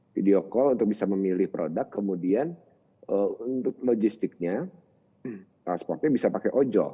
video call untuk bisa memilih produk kemudian untuk logistiknya transportnya bisa pakai ojol